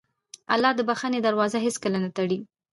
الله د بښنې دروازه هېڅکله نه تړي.